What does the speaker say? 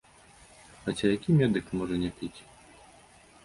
Хаця які медык можа не піць?